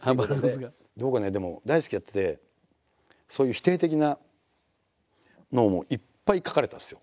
僕はねでも「ＤＡＩＳＵＫＩ！」やっててそういう否定的なのもいっぱい書かれたんですよ。